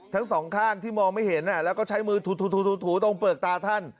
ทั้งสองข้างที่มองไม่เห็นแล้วก็ใช้มือถูตรงเปลือกตาท่าน